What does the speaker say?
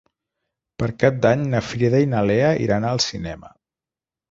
Per Cap d'Any na Frida i na Lea iran al cinema.